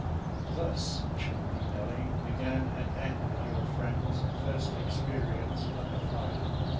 Thus, Charming Nellie, began and ended your friend's first experience under fire.